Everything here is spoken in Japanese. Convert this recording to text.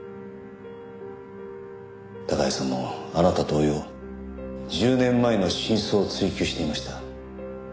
孝也さんもあなた同様１０年前の真相を追及していました。